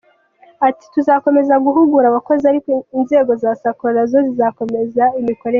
Ati: “Tuzakomeza guhugura abakozi, ariko inzego za Sacco na zo zizanoze imikorere”.